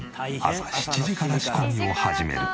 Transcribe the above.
朝７時から仕込みを始める。